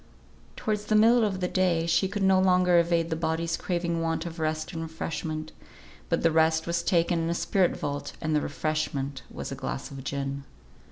Towards the middle of the day she could no longer evade the body's craving want of rest and refreshment; but the rest was taken in a spirit vault, and the refreshment was a glass of gin.